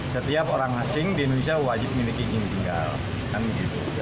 setiap orang asing di indonesia wajib memiliki izin tinggal